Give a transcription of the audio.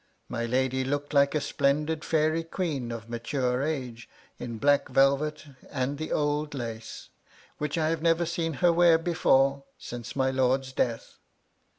My lady looked like a splendid feiry * queen of mature age, in black velvet, and the old * lace, which I have never seen her wear before since ' my lord's death.